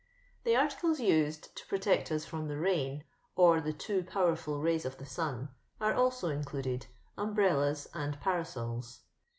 The articles used to pro tect us Uram the rain, or the fcoo powernil roya of the son, are also included — umbrellas and parasola.